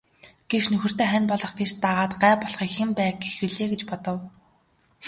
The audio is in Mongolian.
Гэвч нөхөртөө хань болох гэж дагаад гай болохыг хэн байг гэх билээ гэж бодов.